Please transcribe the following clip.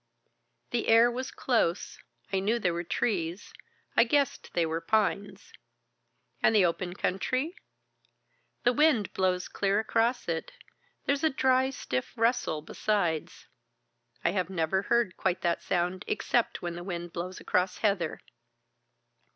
"The air was close. I knew there were trees. I guessed they were pines." "And the open country?" "The wind blows clear across it. There's a dry stiff rustle besides. I have never heard quite that sound except when the wind blows across heather."